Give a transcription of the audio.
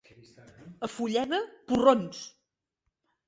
A Fulleda, porrons.